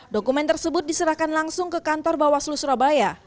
dokumen tersebut diserahkan langsung ke kantor bawaslu surabaya